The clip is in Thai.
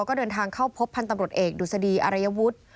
ก็เดินทางเข้าพบพันธ์ตำรวจเอกดุษฎีอารัยวุฒิ